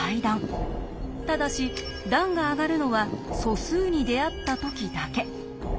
ただし段が上がるのは素数に出会った時だけ。